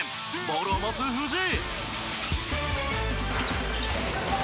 ボールを持つ藤井。